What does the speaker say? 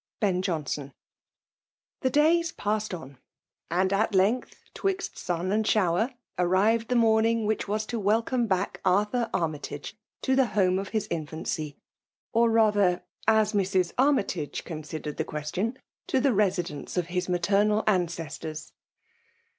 Bin Jonson. .The days passed on ; and at length, '' *twixt sun and shower/' arrived the morning which was to welcome back Arthur Armytage to the ;liome of his infancy ; or rather, as Mrs. Army tage considered the question, to the residence of his maternal ancestors.